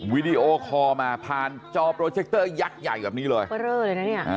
วิดีโอคอล์มาผ่านจอโปรเจคเตอร์ยักษ์ใหญ่แบบนี้เลย